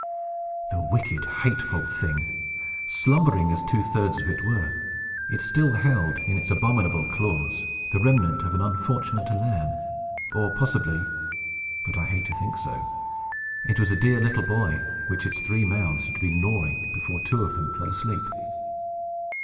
The wicked, hateful thing! Slumbering as two thirds of it were, it still held, in its abominable claws, the remnant of an unfortunate lamb, or possibly (but I hate to think so) it was a dear little boy, which its three mouths had been gnawing, before two of them fell asleep!